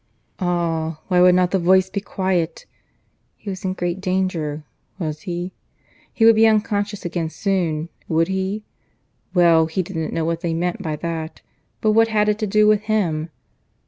... Ah! why would not the voice be quiet? ... He was in great danger, was he? He would be unconscious again soon, would he? Well, he didn't know what they meant by that; but what had it to do with him?